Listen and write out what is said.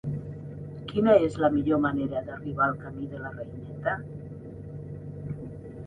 Quina és la millor manera d'arribar al camí de la Reineta?